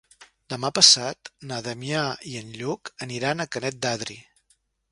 Demà passat na Damià i en Lluc aniran a Canet d'Adri.